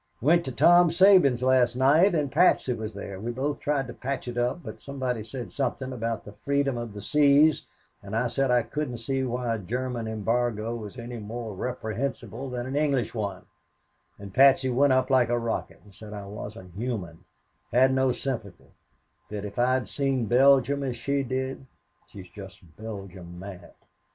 Went to Tom Sabins' last night and Patsy was there. We both tried to patch it up, but somebody said something about the freedom of the seas and I said I couldn't see why a German embargo was any more reprehensible than an English one, and Patsy went up like a rocket and said I wasn't human had no sympathy that if I'd seen Belgium as she did she's just Belgium mad.